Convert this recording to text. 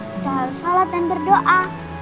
kita harus salat dan berdoa